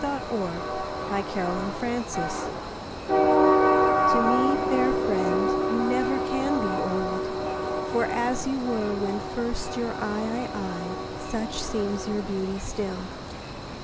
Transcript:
Sonnets xv TO me, fair friend, you never can be old; For as you were when first your eye I eyed, Such seems your beauty still.